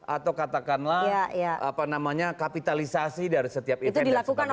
atau katakanlah kapitalisasi dari setiap event dan sebagainya